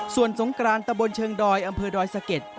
ส่วนสงกรานตะบนเชิงดอยอำเภอดอยสะเก็ด